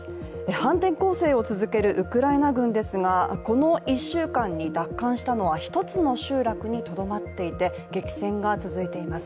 反転攻勢を続けるウクライナ群ですがこの１週間に奪還したのは１つの集落にとどまっていて、激戦が続いています。